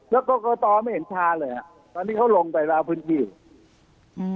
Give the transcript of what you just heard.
แล้วก็กระต่อไม่เห็นชาเลยครับตอนนี้เขาลงไปราวพื้นที่อยู่